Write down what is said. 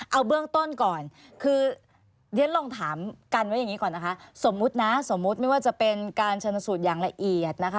เอาเบื้องต้นก่อนคือเรียนลองถามกันไว้อย่างนี้ก่อนนะคะสมมุตินะสมมุติไม่ว่าจะเป็นการชนสูตรอย่างละเอียดนะคะ